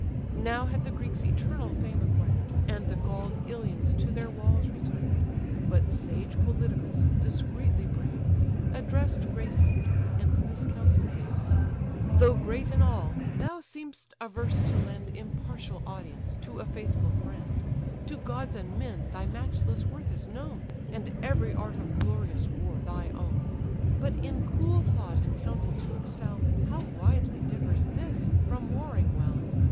Now had the Greeks eternal fame acquired, And the gall'd Ilians to their walls retired; But sage Polydamas, discreetly brave, Address'd great Hector, and this counsel gave: "Though great in all, thou seem'st averse to lend Impartial audience to a faithful friend; To gods and men thy matchless worth is known, And every art of glorious war thy own; But in cool thought and counsel to excel, How widely differs this from warring well!